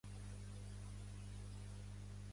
Jo valide talls d'altres col·laboradors, açò és crucial.